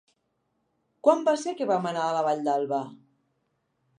Quan va ser que vam anar a la Vall d'Alba?